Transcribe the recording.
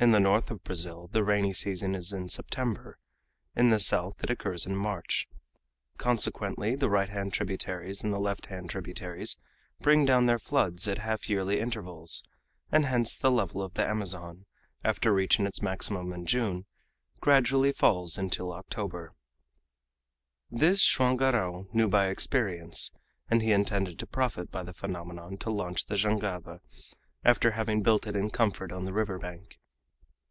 In the north of Brazil the rainy season is in September; in the south it occurs in March. Consequently the right hand tributaries and the left hand tributaries bring down their floods at half yearly intervals, and hence the level of the Amazon, after reaching its maximum in June, gradually falls until October. This Joam Garral knew by experience, and he intended to profit by the phenomenon to launch the jangada, after having built it in comfort on the river bank.